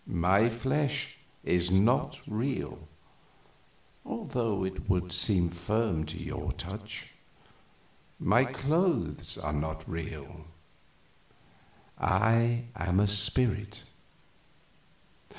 My flesh is not real, although it would seem firm to your touch; my clothes are not real; I am a spirit.